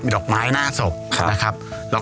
ดอกไม้หน้าศพนะครับ